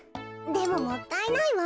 でももったいないわ。